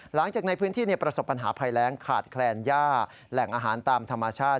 หลังจากในพื้นที่ประสบปัญหาภัยแรงขาดแคลนย่าแหล่งอาหารตามธรรมชาติ